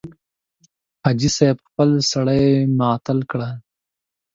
حاجي صاحب خپل سړي معطل کړل.